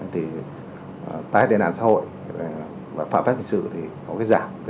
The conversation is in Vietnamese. thì tái tên nạn xã hội và phạm pháp hình sự thì có cái giảm